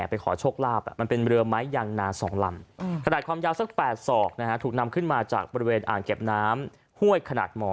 ที่อำเภอสังข่ะจังหวัดสุรินทร์คึกค์คักมาก